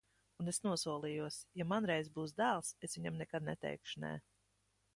Un es nosolījos: ja man reiz būs dēls, es viņam nekad neteikšu nē.